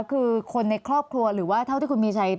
คือคนในครอบครัวหรือว่าเท่าที่คุณมีชัย